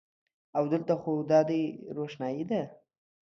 او د لته خو دادی روښنایې ده